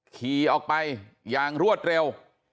ขี่ออกไปอย่างรวดเร็ว